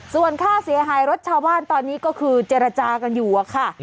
ส่วนค่าเสียหายรถชาวบ้านตอนนี้ก็คือเจรจากันอยู่อะค่ะ